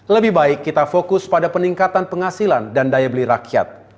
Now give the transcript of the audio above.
lebih baik kita fokus pada peningkatan penghasilan dan daya beli rakyat